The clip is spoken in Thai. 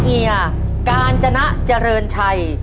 เฮียกัญจนะเจริญชัย